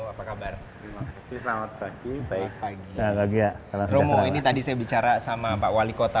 apa kabar selamat pagi baik pagi selamat pagi ya romo ini tadi saya bicara sama pak wali kota